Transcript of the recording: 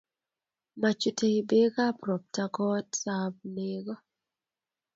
machutei beekab robta kootab nego